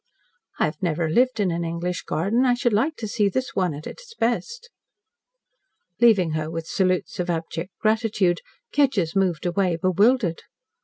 "I have never lived in an English garden. I should like to see this one at its best." Leaving her with salutes of abject gratitude, Kedgers moved away bewildered.